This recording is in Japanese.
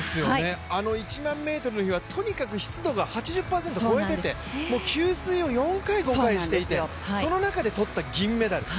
１００００ｍの日は湿度が８０％超えてて給水を４回、５回していてその中でとった銀メダル。